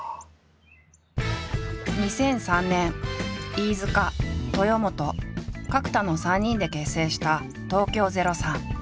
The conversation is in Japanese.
２００３年飯塚豊本角田の３人で結成した東京０３。